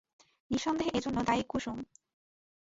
নিঃসন্দেহে এজন্য দায়ী কুসুম।